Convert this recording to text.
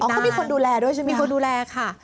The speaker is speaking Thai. เขามีคนดูแลด้วยใช่ไหมมีคนดูแลค่ะ